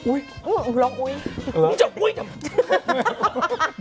อุ๊ยอุ๊ยร้องอุ๊ยจับอุ๊ยจับ